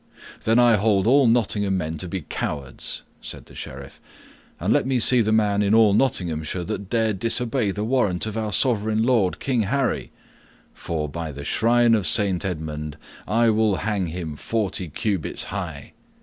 "Then I hold all Nottingham men to be cowards," said the Sheriff. "And let me see the man in all Nottinghamshire that dare disobey the warrant of our sovereign lord King Harry, for, by the shrine of Saint Edmund, I will hang him forty cubits high!